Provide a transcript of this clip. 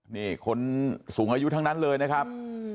นี่คนสูงอายุทั้งนั้นเลยนะครับ